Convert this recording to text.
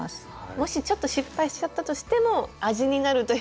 もしちょっと失敗しちゃったとしても味になるという。